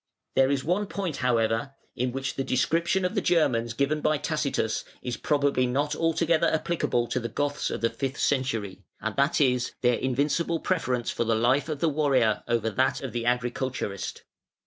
There is one point, however, in which the description of the Germans given by Tacitus is probably not altogether applicable to the Goths of the fifth century: and that is, their invincible preference for the life of the warrior over that of the agriculturist.